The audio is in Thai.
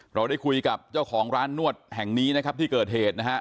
เราได้คุยกับเจ้าของร้านนวดแห่งนี้นะครับที่เกิดเหตุนะฮะ